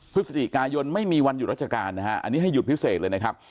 พฤศจิกายนไม่มีวันหยุดราชการนะฮะอันนี้ให้หยุดพิเศษเลยนะครับ